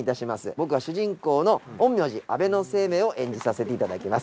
僕は主人公の陰陽師安倍晴明を演じさせていただきます。